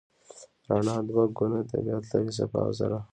رڼا دوه ګونه طبیعت لري: څپه او ذره.